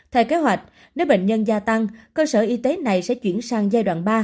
theo kế hoạch nếu bệnh nhân gia tăng cơ sở y tế này sẽ chuyển sang giai đoạn ba